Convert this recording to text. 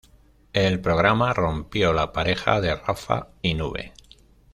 El programa rompió la pareja de Rafa y Nube.